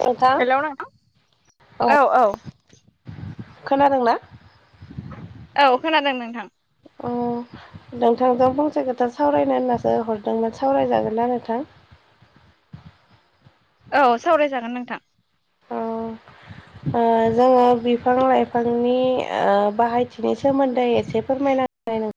खोन्था हेलौ नोंथां औ औ। खोनादोंना? औ खोनादों नोंथां। ओं नोंथांजों फंसे खोथा सावरायनो होननासो हरदोंमोन सावरायजागोनना नोंथां? औ सावरायजागोन नोंथां। औ ओ जोङो बिफां लाइफांनि ओ बाहायथिनि सोमोन्दै एसे से फोरमायना [unintelligible]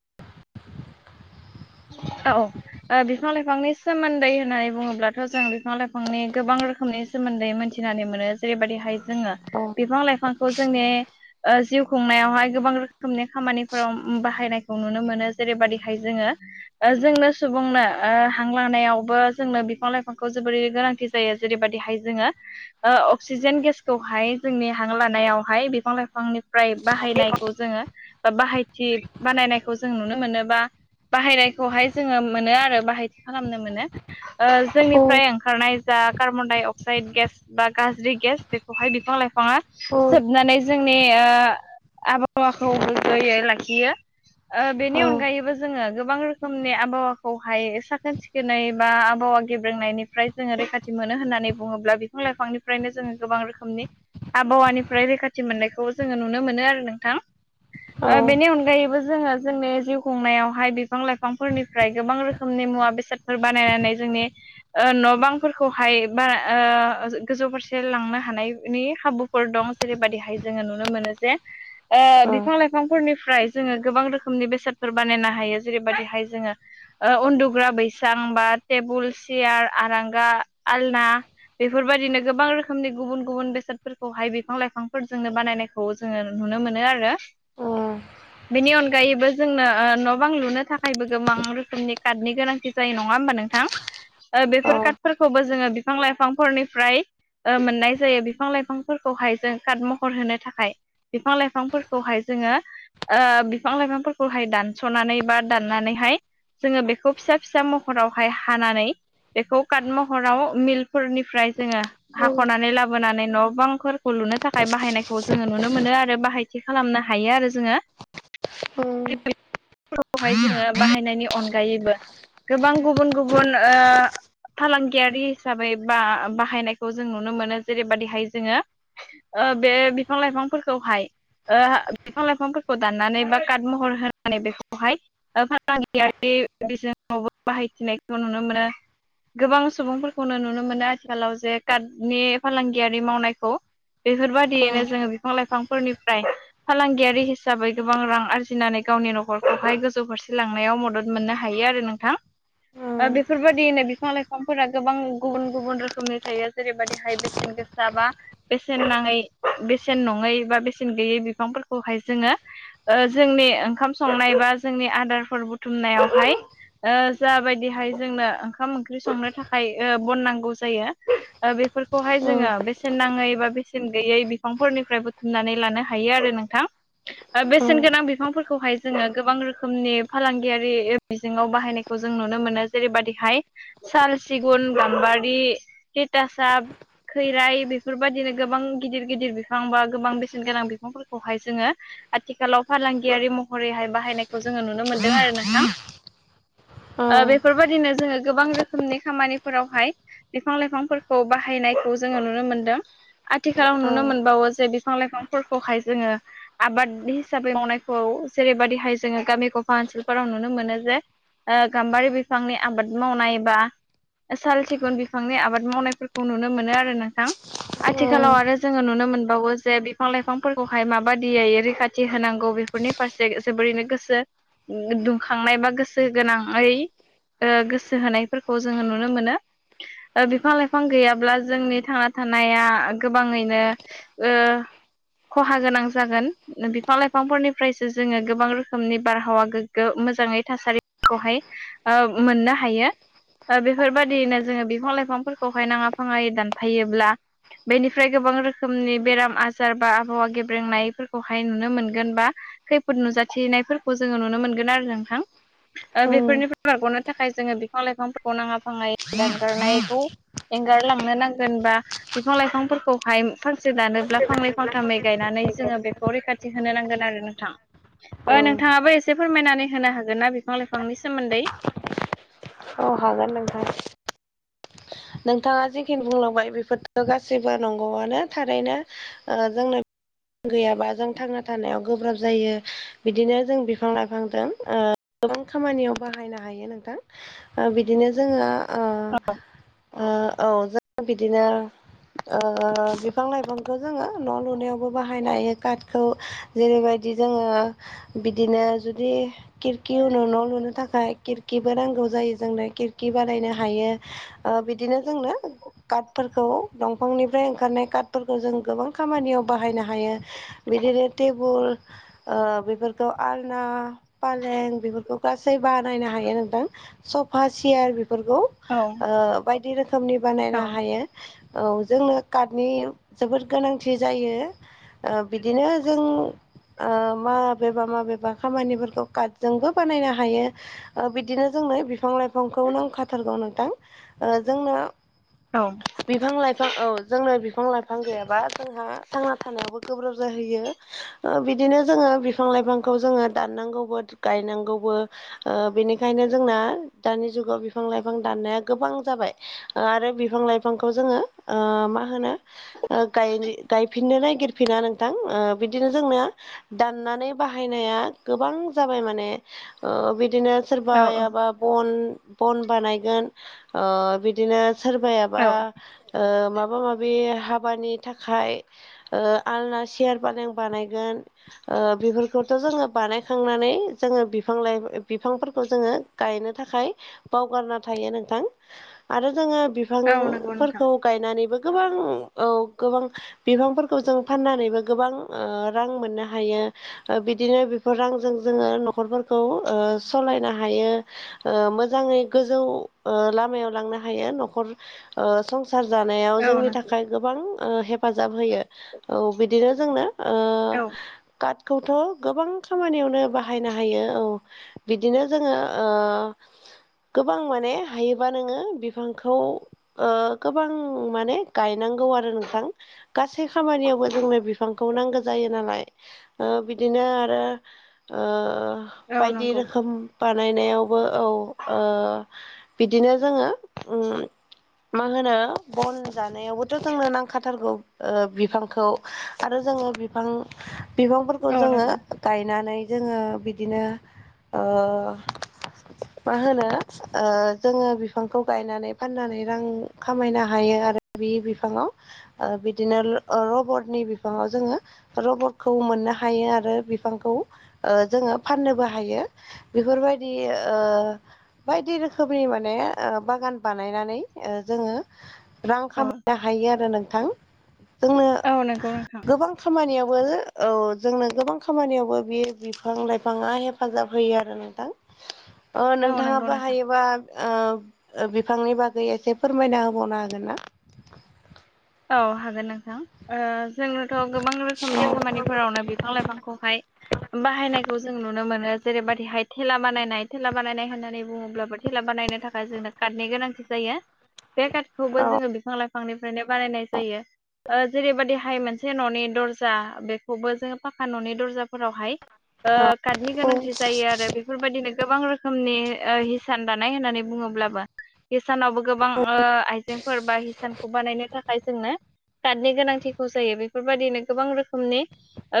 औ ओ बिफां लाइफांनि सोमोन्दै होननानै बुङोब्लाथ जों बिफां लाइफांनि गोबां रोखोमनि सोमोन्दै मोनथिनानै मोनो जेरैबायदिहाय जोङो औ बिफां लाइफांखौ जोंनि ओ जिउ खुंनायावहाय गोबां रोखोमनि खामानिफोराव बाहायनायखौ नुनो मोनो जेरैबायदिहाय जोङो ओ जोंनो सुबुंनो ओ हांलांनायावबो जोंनो बिफां लाइफांखौ जोबोरै गोनांथि जायो। जेरैबायदिहाय जोङो ओ अक्सिजेन गेसखौहाय जोंनि हां लानायावहाय बिफां लाइफांनिफ्राय बाहायनायखौ जोङो बाहायथि बानायनायखौ जों नुनो मोनो बा बाहायनायखौहाय जोङो मोनो आरो बाहायथि खालामनो मोनो ओ औ जोंनिफ्राय ओं खारनाय जा कार्बन डाइ अक्साइड गेस बा गाज्रि गेस बेखौहाय बिफां लाइफाङा सोबनानै जोंनि ओ आबहावाखौ गोगोयै लाखियो ओ औ बेनि अनगायैबो जोङो गोबां रोखोमनि आबहावाखौहाय साखोन सिखोनै बा आबहावा गेब्रेंनायनिफ्राय जोङो रैखाथि मोनो होननानै बुङोब्ला बिफां लाइफांनिफ्रायनो जोङो गोबां रोखोमनि आबहावानिफ्राय रैखाथि मोननायखौ जोङो नुनो मोनो आरो नोंथां। ओ बेनि अनगायैबो जोङो जोंनि जिउ खुंनायावहाय बि बिफां लाइफांफोरनिफ्राय गोबां रोखोमनि मुवा बेसादफोर बानायनानै जोंनि ओ न' बांफोरखौहाय बारा ओ गोजौ फारसे लांनो हानायनि खाबु फोर दं जेरैबायदिहाय जोङो नुनो मोनो जे ओ औ बिफां लाइफांफोरनिफ्राय जोङो गोबां रोखोमनि बेसादफोर बानायनो हायो। जेरैबायदिहाय जोङो उन्दुग्रा बैसां बा टेबोल सियार आरांगा आलना। बेफोरबायदिनो गोबां रोखोमनि गुबुन गुबुन बेसादफोरखौहाय बिफां लाइफांफोरजोंनो बानायनाय खौ जोङो नुनो मोनो आरो ओ बेनि अनगायैबो जोंनो ओ न' बां लुनो। नि थाखायबो गोबां रोखोमनि कार्डनि गोनांथि जायो नङा होमबा नोंथां। ओ औ बेफोर काटफोरखौबो जोङो बिफां लाइफांफोरनिफ्राय ओ मोननाय जायो बिफां लाइफांफोरखौहाय जों कार्ट महर होनो थाखाय। बिफां लाइफांफोरखौहाय जोङो ओ बिफां लाइफांफोरखौहाय दानस'नानै बा दाननानैहाय जोङो बेखौ फिसा फिसा महरावहाय हानानै बेखौ काट महराव मिल्क फोरनिफ्राय जोङो हाख'नानै लाबोनानै न' बां फोरखौ लुनो थाखाय बाहायनायखौ जोङो नुनो मोनो आरो बाहायथि खालामनो हायो आरो जोङो। [unintelligible] [unintelligible] खौहाय जोङो बाहायनायनि अनगायैबो गोबां गुबुन गुबुन ओ फालांगियारि हिसाबै बा बाहायनायखौ जों नुनो मोनो जेरैबादिहाय जोङो ओ बे बिफां लाइफांफोरखौहाय ओ बिफां लाइफांफोरखौ दाननानै बा काट महर होनानै बेखौ बेवहाय फालांगियारि बिजोङावबो बाहायथिनायखौ नुनो मोनो। गोबां सुबुंफोरखौनो नुनो मोनो आथिखालाव जे काटनि फालांगियारि मावनायखौ। बेफोरबाद दियैनो जोङो बिफां लाइफांफोरनिफ्राय फालांगियारि हिसाबै गोबां रां आरजिनानै गावनि न'खर बेवहाय गोजौ फारसे लांनायाव मदद मोननो हायो आरो नोंथां। बेफोरबायैदिनो बिफां लाइफांफोरा गोबां गुबुन गुबुन रोखोमनि थायो जेरैबादिहाय बेसेन गोस साबा बेसेन नाङै बेसेन नङै बा बेसेन गैयै बिफांफोरखौहाय जोङो ओ जोंनि ओंखाम संनाय बा जोंनि आदारफोर बुथुमनायावहाय ओ जाबायदिहाय जोंनो ओंखाम ओंख्रि संनो थाखाय ओ बन नांगौ जायो ओ बेफोर औ खौहाय जोङो बेसेन नाङै बा बेसेन बेसेन गैयै बिफांफोरनिफ्राय बुथुमनानै लानो हायो आरो नोंथां ओ बेसेन गोनां बिफांफोर खौहाय जोङो गोबां रोखोमनि फालांगियारि बिजोङाव बाहायनायखौ जों नुनो मोनो जेरैबादिहाय साल सिगुन गाम्बारि टितासाब खैराइ बेफोरबायदिनो गोबां गिदिर गिदिर बिफां बा गोबां बेसेन गोनां बिफांफोरखौहाय जोङो आथिखालाव फालांगियारि महरैहाय बाहायनायखौ जोङो नुनो मोनदों आरो नोंथां। ओ बेफोरबादिनो जोङो गोबां रोखोमनि खामानिफोरावहाय बिफां लाइफांफोरखौ बाहायनायखौ जोङो नुनो मोनदों। आथिखालाव औ नुनो मोनबावो जे बिफां लाइफांफोरखौहाय जोङो आबाद हिसाबै मावनायखौ जेरैबादिहाय जोङो गामि गफा ओनसोलफोराव नुनो मोनो जे ओ गाम्बारि बिफांनि आबाद मावनाय बा साल सिगुन बिफांनि आबाद मावनायफोरखौ नुनो मोनो आरो नोंथां आथिखालाव आरो जोङो नुनो मोनबावो जे बिफां लाइफांफोरखौहाय माबादियै रैखाथि होनांगौ बेफोरनि फारसे जोबोरैनो गोसो दुंखांनाय बा गोसो गोनाङै ओ गोसो होनायफोरखौ जोङो नुनो मोनो। ओ बिफां लाइफां गैयाब्ला जोंनि थांना थानाया गोबाङैनो ओ खहा गोनां जागोन बिफां लाइफांफोरनि फ्रायसो जोङो गोबां रोखोमनि बारहावा गोग्गो मोजाङै थासारिखौहाय ओ मोननो हायो। ओ बेफोरबायदियैनो जोङो बिफां लाइफांफोरखौहाय नाङा फाङायै दानफायोब्ला बेनिफ्राय गोबां रोखोमनि बेराम आजार बा आबहावा गेब्रेंनायफोरखौहाय नुनो मोनगोन बा खैफोद नुजाथिनायफोरखौ जोङो नुनो मोनगोन आरो नोंथां ओ औ बेफोरनिफ्राय बारग'नो थाखाय जोङो बिफां लाइफांफोरखौ नाङा फाङायै दानगारनायखौ एंगारलांनो नांगोन बा बिफां लाइफांफोरखौहाय फांसे दानोब्ला फांनै फांथामै गायनानै जोङो बेखौ रैखाथि होनो नांगोन आरो नों नोंथां ओ नोंथाङाबो एसे फोरमायनानै होनो हागोन ना बिफां लाइफांनि सोमोन्दै? औ हागोन नोंथां। नोंथाङा जिखिनि बुंलांबाय बेफोरथ' गासैबो नंगौआनो थारैनो। जोंनो गैयाबा जों थांना थानायाव गोब्राब जायो। बिदिनो जों बिफां लाइफांजों ओ गोबां खामानियाव बाहायनो हायो नोंथां। ओ बिदिनो जोङो ओ ओ औ जों बिदिनो ओ बिफां लाइफांखौ जोङो न' लुनायावबो बाहायनो हायो काटखौ। जेरैबायदि जोङो बिदिनो जुदि खिरखि उनाव न' लुनो थाखाय खिरखिबो नांगौ जायो जोंनो खिरखि बानायनो हायो। ओ बिदिनो जोंनो काटफोरखौ दंफांनिफ्राय ओंखारनाय काटफोरखौ जों गोबां खामानियाव बाहायनो हायो। बिदिनो टेबुल ओ बेफोरखौ आलना पालें बेफोरखौ गासै बानायनो हायो नोंथां। सफा सियार बेफोरखौ औ ओ बायदि रोखोमनि औ बानायनो हायो। औ जोंनो काटनि जोबोद गोनांथि जायो। ओ बिदिनो जों ओ माबेबा माबेबा खामानिफोरखौ काटजोंबो बानायनो हायो। ओ बिदिनो जोंनो बिफां लाइफांखौ नांखाथारगौ नोंथां ओ जोंनो औ बिफां लाइफां औ जोंनो बिफां लाइफां गैयाबा जोंहा थांना थानायावबो गोब्राब जाहैयो। ओ बिदिनो जोङो बिफां लाइफांखौ जोङो दाननांगौबो गायनांगौबो। ओ बेनिखायनो जोंना दानि जुगाव बिफां लाइफां दाननाया गोबां जाबाय ओ आरो बिफां लाइफांखौ जोङो ओ मा होनो ओ गायनो गायफिननो नागिरफिना नोंथां ओ बिदिनो जोंनो दाननानै बाहायनाया गोबां जाबाय माने ओ बिदिनो औ सोरबायाबा बन बन बानायगोन ओ बिदिनो सोरबाया बा औ ओ माबा माबि हाबानि थाखाय ओ आलना सियार पालें बानायगोन ओ बेफोर खौथ' जोङो बानायखांनानै जोङो बिफां लाइ बिफांफोरखौ जोङो गायनो थाखाय बावगारना थायो नोंथां आरो जोङो औ नंगौ नोंथां बिफांफोरखौ गायनानैबो गोबां औ गोबां बिफांफोरखौ जों फाननानैबो गोबां ओ रां मोननो हायो। ओ बिदिनो बेफोर रांजों जोङो न'खरफोरखौ ओ सलायनो हायो। ओ मोजाङै गोजौ ओ लामायाव लांनो हायो न'खर ओ संसार जानायाव औ जोंनि नंगौ थाखाय गोबां ओ हेफाजाब होयो औ बिदिनो जोंनो ओ औ काटखौथ' गोबां खामानियावनो बाहायनो हायो औ बिदिनो जोङो ओ गोबां माने हायोबा नोङो बिफांखौ ओ गोबां माने गायनांगौ आरो नोंथां। गासै खामानियावबो जोंनो बिफांखौ नांगो जायो नालाय ओ बिदिनो आरो ओ औ बायदि नंगौ रोखोम बानायनायावबो औ ओ बिदिनो जोङो उम मा होनो बन जानायावबोथ' जोंनो नांखाथारगौ ओ बिफांखौ। आरो जोङो बिफां बिफांफोरखौ औ जोङो नंगौ गायनानै जोङो बिदिनो ओ मा होनो ओ जोङो बिफांखौ गायनानै फाननानै रां खामायनो हायो आरो बि बिफाङाव ओ बिदिनो ल-लर्बटनि बिफाङाव जोङो रबरखौ मोननो हायो आरो बिफांखौ जोङो फाननोबो हायो। बिफोरबायदि ओ बायदि रो खोमसि माने आ बागान बानायनानै आ जोङो रां औ खामायनो हायो आरो नोंथां जोंनो औ नंगौ नोंथां गोबां खामानियावबो औ जोंनो गोबां खामानियावबो बि बिफां लाइफाङा हेफाजाब होयो आरो नोंथां। ओ औ नंगौ नोंथाङाबो नोंथां। हायो बा उह ओ बिफांनि बागै एसे फोरमायना होबावनो हागोन ना? औ हागोन नोंथां ओ जोंनोथ' गोबां औ रोखोमनि खामानिफोरावनो बिफां लाइफांखौहाय बाहायनायखौ जों नुनो मोनो। जेरैबायदि हाय थेला बानायनाय थेला बानायनाय होननानै बुङोब्लाबो थेला बानायनो थाखाय जोंनो कारटनि गोनांथि जायो। [inaudible] बे कार्डखौबो जोङो बिफां लाइफांनिफ्रायनो बानायनाय जायो। ओ जेरैबदिहाय मोनसे न'नि दर्जा बेखौबो जोङो फाखा न'नि दर्जाफोरावहाय ओ औ कार्डनि गोनांथि जायो आरो बे बेफोरबायदिनो गोबां रोखोमनि ओ हिसान दानाय होननानै बुङोब्लाबो हिसानावबो गोबां ओ आइजेंफोर बा हिसानखौ बानायनो था खाय जोंनो कार्डनि गोनांथिखौ जायो बेफोरबायदिनो गोबां रोखोमनि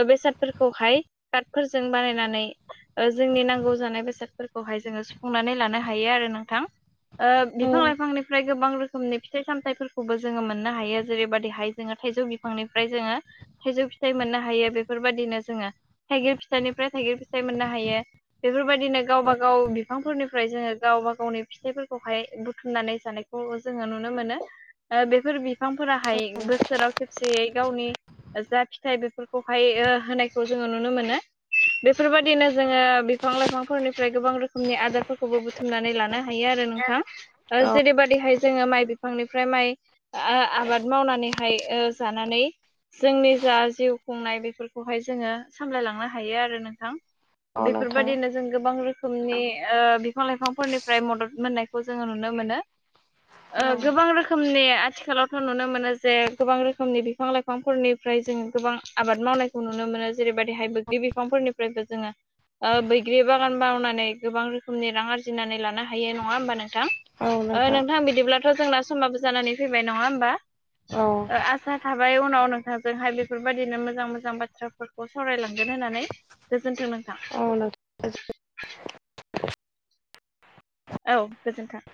ओ बेसादफोरखौहाय कार्टफोरजों बानायनानै ओ जोंनि नांगौ जानाय बेसादफोरखौहाय जोङो सुफुंनानै लानो हायो आरो नोंथां। ओ बिफां लाइफांनिफ्राय गोबां रोखोमनि फिथाइ सामथाइफोरखौबो जोङो मोन नो हायो जेरैबायदिहाय जोङो थाइजौ बिफांनिफ्राय जोङो थाइजौ फिथाइ मोननो हायो बेफोरबादिनो जोङो थाइगिर फिथाइनिफ्राय थाइगिर फिथाइ मोननो हायो। बेफोरबायदिनो गावबा गाव बिफांफोरनिफ्राय जोङो गावबा गावनि फिथाइफोरखौहाय बुथुमनानै जानाय खौ जोङो नुनो मोनो ओ बेफोर बि फांफोराहाय बोसोराव खेबसेयै गावनि जा फिथाइ बेफोरखौहाय ओ होनायखौ जोङो नुनो मोनो। बेफोरबादिनो जोङो बिफां लाइफांफोरनिफ्राय गोबां रोखोमनि आदारफोरखौबो बुथुमनानै लानो हायो आरो नोंथां ओ औ जेरैबादिहाय जोङो माइ बिफांनिफ्राय माइ आ आबाद मावनानैहाय ओ जानानै जोंनि जा जिउ खुंनाय बेफोरखौहाय जोङो सामलायलांनो हायो आरो नोंथां। औ नोंथां बेफोरबादिनो जों गोबां रोखोमनि ओ बिफां लाइफांफोरनिफ्राय मदद मोननायखौ जोङो नुनो मोनो। [inaudible] ओ गोबां रोखोमनि आथिखालाव नुनो मोनो जे गोबां रोखोमनि बिफां लाइफांफोरनिफ्राय जोङो गोबां आबाद मावनाय खौ नुनो मोनो जेरैबायदिहाय बो बि बिफांफोरनिफ्रायबो जोङो ओ बैग्रि बागान मावनानै गोबां रोखोमनि रां आरजिनानै लानो हायो नङा होमबा नोंथां। ओ नोंथां बिदिब्लाथ' जोंना समबाबो जानानै फैबाय नङा होमबा। औ आसा थाबाय उनाव नोंथांजोंहाय बेफोरबायदिनो मोजां मोजां बाथ्राफोरखौ सावरायलांगोन होननानै। गोजोन्थों नों औ नोंथां। औ गोजोन्थों।